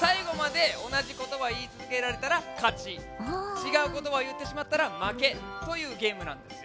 ちがうことばをいってしまったらまけというゲームなんですよ。